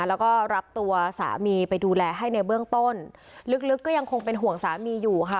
แล้วก็รับตัวสามีไปดูแลให้ในเบื้องต้นลึกก็ยังคงเป็นห่วงสามีอยู่ค่ะ